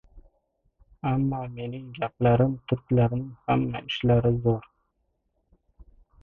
Ammo mening gaplarim turklarning hamma ishlari zo‘r.